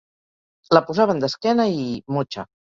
La posaven d'esquena, i... motxa